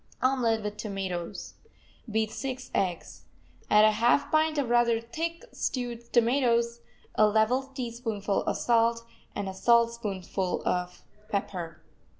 OMELET WITH TOMATOES Beat six eggs. Add a half pint of rather thick stewed tomatoes, a level teaspoonful of salt and a saltspoonful of pepper.